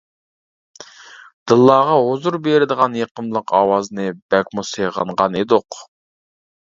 دىللارغا ھۇزۇر بېرىدىغان يېقىملىق ئاۋازىنى بەكمۇ سېغىنغان ئىدۇق.